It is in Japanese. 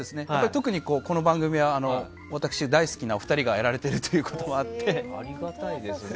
特にこの番組は私、大好きなお二人がやられていることもあって。ありがたいですね。